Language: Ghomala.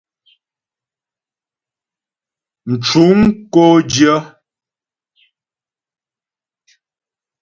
Mcuŋ kó dyə̂.